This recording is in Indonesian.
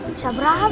bisa berahab ini